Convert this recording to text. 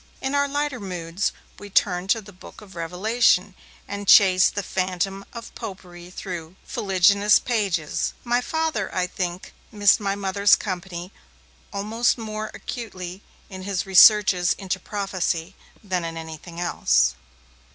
In our lighter moods, we turned to the 'Book of Revelation', and chased the phantom of Popery through its fuliginous pages. My Father, I think, missed my Mother's company almost more acutely in his researches into prophecy than in anything else.